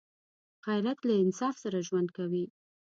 غیرت له انصاف سره ژوند کوي